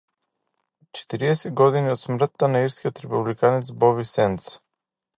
Четириесет години од смртта на ирскиот републиканец Боби Сендс